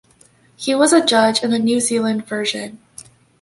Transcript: He was a judge in the New Zealand version.